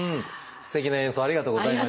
すてきな演奏ありがとうございました。